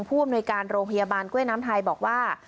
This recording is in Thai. ผู้อำนวยการโรงพยาบาลกล้วยน้ำไทยบอกว่า